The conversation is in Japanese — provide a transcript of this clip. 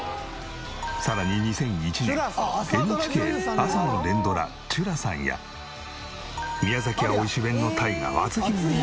さらに２００１年ＮＨＫ朝の連ドラ『ちゅらさん』や宮崎あおい主演の大河『篤姫』にも出演。